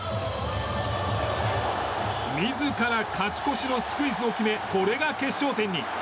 自ら勝ち越しのスクイズを決めこれが決勝点に！